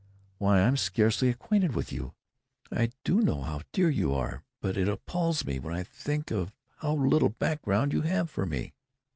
Why, I'm scarcely acquainted with you! I do know how dear you are, but it appals me when I think of how little background you have for me.